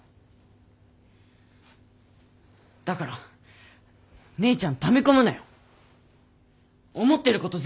だから姉ちゃんため込むなよ。思ってること全部。